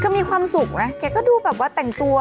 ก็มีความสุขนะแกก็ดูแบบว่าแต่งตัว